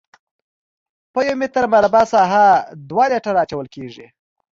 په یو متر مربع ساحه دوه لیټره اچول کیږي